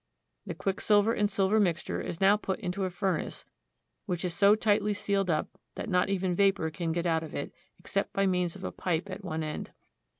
The quicksilver and silver mixture is now put into a fur nace, which is so tightly sealed up that not even vapor can get out of it, except by means of a pipe at one end.